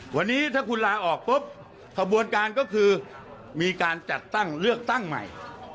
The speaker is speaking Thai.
วันนี้ถ้าคุณลาออกปุ๊บขบวนการก็คือมีการจัดตั้งเลือกตั้งใหม่